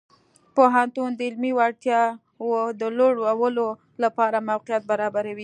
پوهنتون د علمي وړتیاو د لوړولو لپاره موقعیت برابروي.